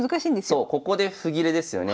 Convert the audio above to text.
そうここで歩切れですよね。